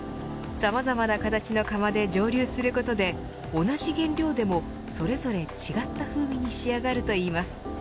さまざまな形の釜で蒸留することで同じ原料でもそれぞれ違った風味に仕上がるといいます。